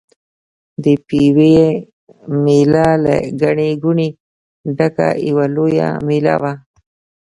د پېوې مېله له ګڼې ګوڼې ډکه یوه لویه مېله وه.